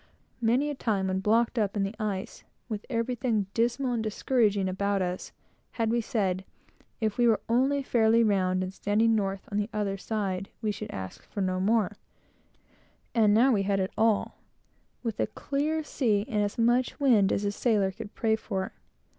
Many a time, when blocked up in the ice, with everything dismal and discouraging about us, had we said, if we were only fairly round, and standing north on the other side, we should ask for no more: and now we had it all, with a clear sea, and as much wind as a sailor could pray for.